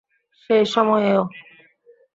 সেই সময়েও?